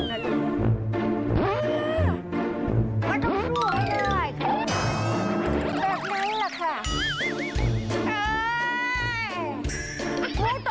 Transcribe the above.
มันต้องสู้ให้ได้แบบนั้นแหละค่ะ